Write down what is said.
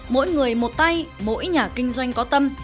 mỗi người một tay mỗi nhà kinh doanh có tâm